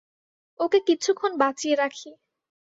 ওকে কিছুক্ষণ বাঁচিয়ে রাখি।